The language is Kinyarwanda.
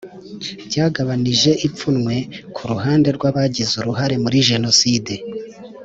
byagabanije ipfunwe ku ruhande rw abagize uruhare muri jenoside